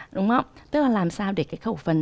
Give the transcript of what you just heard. đúng không tức là làm sao để cái khẩu phần